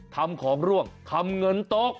ทำของร่วงทำเงินโต๊ะ